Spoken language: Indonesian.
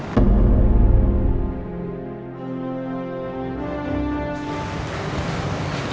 sama andien mama juga belum masuk